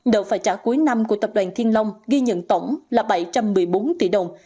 đợt phải trả cuối năm của tập đoàn thiên long ghi nhận tổng là bảy trăm một mươi bốn tỷ đồng